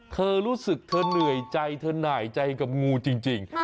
เธอรู้สึกเธอเหนื่อยใจเธอหน่ายใจกับงูจริง